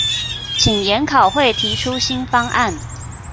請研考會提出新方案